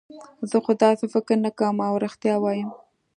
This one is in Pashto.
زه خو داسې فکر نه کوم، اوه رښتیا وایم.